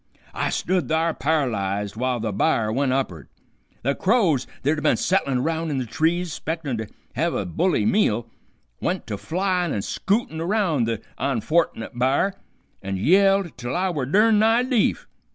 "I stood thar par'lyzed w'ile the b'ar went up'ard. The crows that had been settlin' round in the trees, 'spectin' to hev a bully meal, went to flyin' an' scootin' around the onfortnit b'ar, an' yelled till I were durn nigh deef.